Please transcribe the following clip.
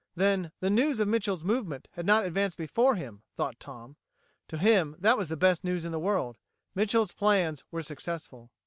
Then the news of Mitchel's movement had not advanced before him, thought Tom. To him, that was the best news in the world. Mitchel's plans were successful.